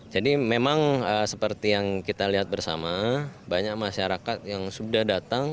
jadi memang seperti yang kita lihat bersama banyak masyarakat yang sudah datang